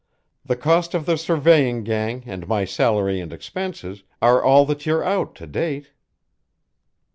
The cost of the surveying gang and my salary and expenses are all that you are out to date."